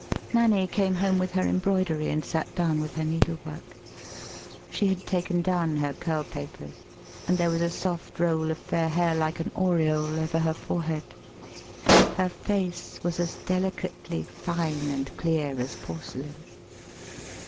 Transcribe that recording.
] Nanny came home with her embroidery, and sat down with her needlework. [She had taken down her curl papers, and there was a soft roll of fair hair like an aureole over her forehead;] her face was as delicately fine and clear as porce lain.